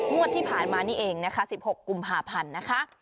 มวดที่ผ่านมานี่เองนะคะสิบหกกุมหาพันนะคะ